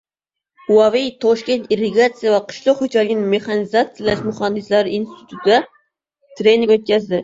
Huawei Toshkent irrigatsiya va qishloq xo‘jaligini mexanizatsiyalash muhandislari institutida trening o‘tkazdi